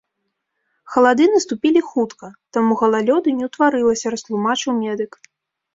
Халады наступілі хутка, таму галалёду не ўтварылася, растлумачыў медык.